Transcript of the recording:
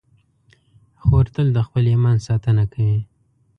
خور تل د خپل ایمان ساتنه کوي.